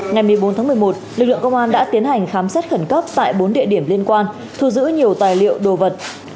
ngày một mươi bốn tháng một mươi một lực lượng công an đã tiến hành khám xét khẩn cấp tại bốn địa điểm liên quan thu giữ nhiều tài liệu đồ vật